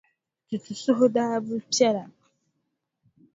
Tutu suhu daa bi piɛla.